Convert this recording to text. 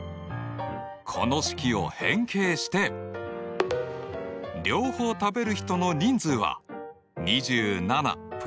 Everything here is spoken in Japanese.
この式を変形して両方食べる人の人数は２７＋２５−３９だ。